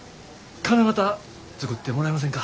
金型作ってもらえませんか？